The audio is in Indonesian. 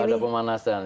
tidak pada pemanasan